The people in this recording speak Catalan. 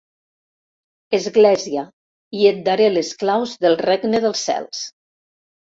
Església, i et daré les claus del Regne dels Cels”.